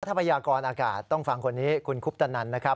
พยากรอากาศต้องฟังคนนี้คุณคุปตนันนะครับ